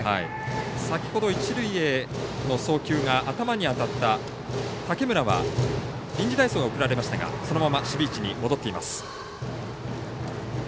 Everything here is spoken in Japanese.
先ほど一塁への送球が頭に当たった竹村は臨時代走が送られましたがそのまま守備位置に戻っています。